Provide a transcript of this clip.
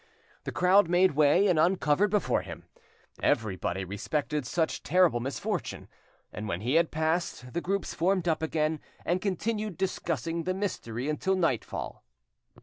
The crowd made way and uncovered before him, everybody respected such terrible misfortune, and when he had passed, the groups formed up again, and continued discussing the mystery until nightfall.